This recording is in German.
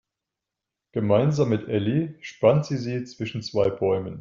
Gemeinsam mit Elli spannt sie sie zwischen zwei Bäumen.